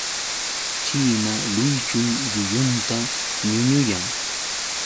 China luychun llullunta ñuñuyan.